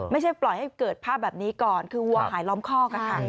ไม่ใช่ปล่อยให้เกิดภาพแบบนี้ก่อนคือวัวหายล้อมคอกค่ะ